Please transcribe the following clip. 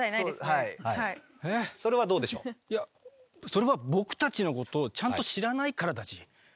それは僕たちのことをちゃんと知らないからだＧ。